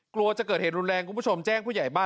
กลัวจะเกิดเหตุรุนแรงคุณผู้ชมแจ้งผู้ใหญ่บ้าน